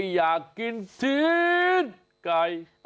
อยากกินจีนไก่